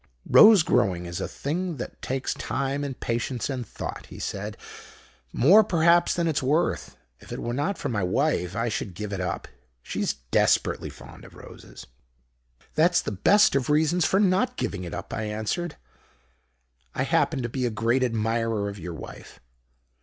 'Rose growing is a thing that takes time and patience and thought,' he said. 'More perhaps than it's worth. If it were not for my wife, I should give it up. She's desperately fond of roses.' "'That's the best of reasons for not giving it up,' I answered. 'I happen to be a great admirer of your wife.'